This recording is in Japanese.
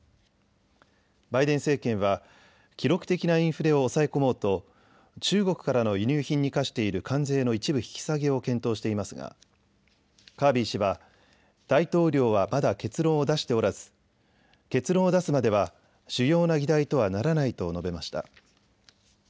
バイデン政権は記録的なインフレを抑え込もうと中国からの輸入品に課している関税の一部引き下げを検討していますがカービー氏は大統領はまだ結論を出しておらず結論を出すまでは主要な議題とはならないと述べました。